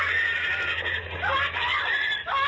คลิปแหละ